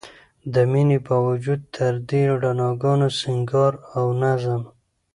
د مينې باوجود تر دې رڼاګانو، سينګار او نظم